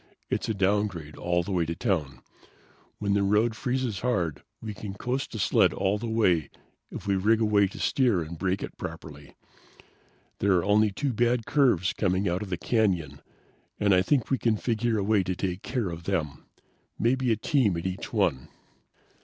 It's a downgrade all the way to town. When the road freezes hard we can coast a sled all the way if we rig a way to steer and brake it properly. There are only two bad curves coming out of the canyon, and I think we can figure a way to take care of them. Maybe a team at each one.